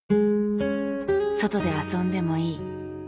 「外で遊んでもいい」。